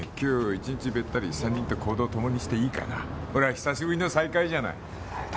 １日ベッタリ３人と行動共にしていいかなほら久しぶりの再会じゃない誰？